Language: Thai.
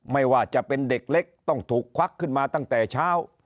ไม่ว่าจะเป็นเด็กเล็กต้องถูกควักขึ้นมาตั้งแต่เช้า